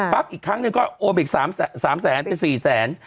ปั๊บอีกครั้งหนึ่งก็โอนท์อายุกล่าย๓แสนทำกลาย๔แสน